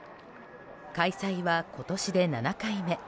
開催は今年で７回目。